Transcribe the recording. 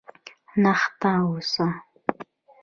نښته وسوه.